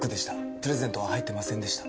プレゼントは入ってませんでした。